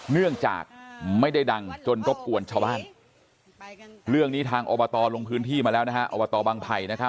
เนื่องจากไม่ได้ดั่งจนรบกวนชาวบ้านเรื่องนี้ทางอวบาตอลงพื้นที่มาแล้วนะ